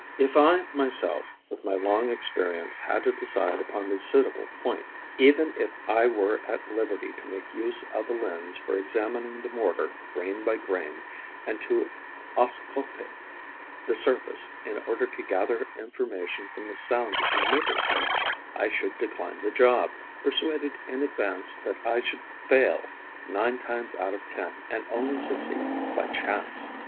If I myself, with my long experience, had to decide upon the suitable point, even if I were at liberty to make use of a lens for examining the mortar grain by grain and to auscultate the surface in order to gather information from the sound emitted, I should decline the job, persuaded in advance that I should fail nine times out of ten and only succeed by chance.